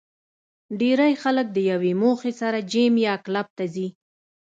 ډېری خلک د یوې موخې سره جېم یا کلب ته ځي